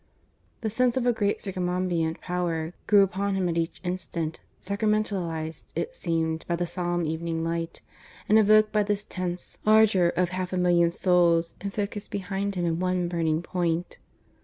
_" The sense of a great circumambient Power grew upon him at each instant, sacramentalized, it seemed, by the solemn evening light, and evoked by this tense ardour of half a million souls, and focused behind him in one burning point.